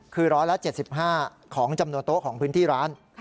คือ๑๗๕ของจำนวนโต๊ะของพื้นที่ร้าน